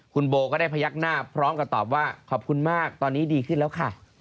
คุณโบก็ได้พยักหน้าพร้อมกับตอบว่าขอบคุณมากตอนนี้ดีขึ้นแล้วค่ะ